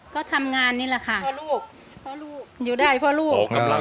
ก็ทำงานนี่แหละค่ะ